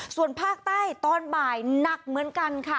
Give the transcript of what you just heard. ส่วนภาคใต้ตอนบ่ายหนักเหมือนกันค่ะ